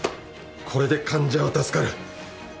これで患者は助かる。